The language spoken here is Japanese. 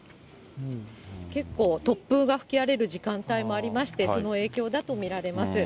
結構、突風が吹き荒れる時間帯もありまして、その影響だと見られます。